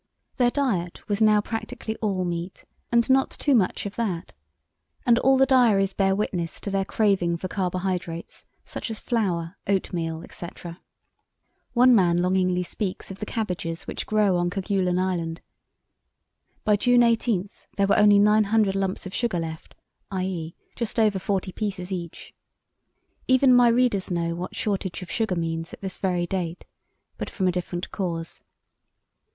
Their diet was now practically all meat, and not too much of that, and all the diaries bear witness to their craving for carbohydrates, such as flour, oatmeal, etc. One man longingly speaks of the cabbages which grow on Kerguelen Island. By June 18 there were only nine hundred lumps of sugar left, i.e., just over forty pieces each. Even my readers know what shortage of sugar means at this very date, but from a different cause.